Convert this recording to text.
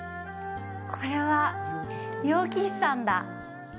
これは楊貴妃さんだ。